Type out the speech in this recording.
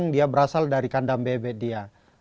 kemudian rumah koran berasal dari kandang bebek dia